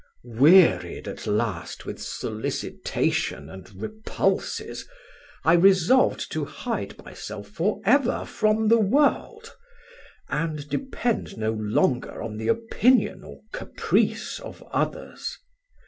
"Wearied at last with solicitation and repulses, I resolved to hide myself for ever from the world, and depend no longer on the opinion or caprice of others.